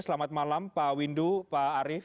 selamat malam pak windu pak arief